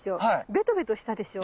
ベトベトしたでしょう？